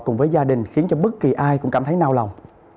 cùng với gia đình khiến cho bất kỳ ai cũng cảm thấy đau lòng